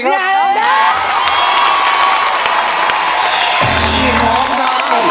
เพลงที่๓มูลค่า๔๐๐๐๐บาทนะครับ